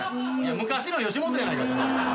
昔の吉本やないか！